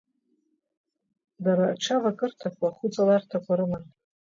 Дара аҽавакырҭақәа, ахәыҵаларҭақәа рыман.